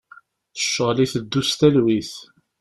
Ccɣel iteddu s talwit.